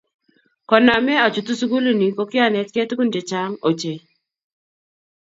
Koname achutu sukuli ni ko kianetkei tugun che chan ochei.